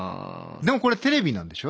でもこれテレビなんでしょ？